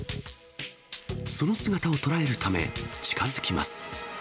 その姿を捉えるため、近づきます。